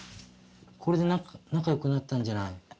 これで仲良くなったんじゃない？